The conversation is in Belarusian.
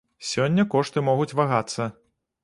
Сёння кошты могуць вагацца.